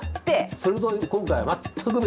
それと今回は全く別！